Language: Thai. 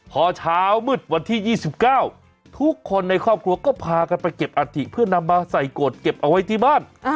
พอเช้ามืดวันที่๒๙ทุกคนในครอบครัวก็พากันไปเก็บอัฐิเพื่อนำมาใส่โกรธเก็บเอาไว้ที่บ้าน